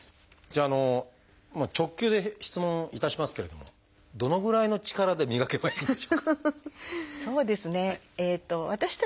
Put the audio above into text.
じゃあ直球で質問いたしますけれどもどのぐらいの力で磨けばいいんでしょうか？